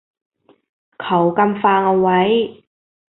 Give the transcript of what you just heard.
เขากำฟางเอาไว้